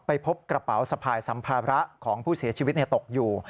พบกระเป๋าสะพายสัมภาระของผู้เสียชีวิตตกอยู่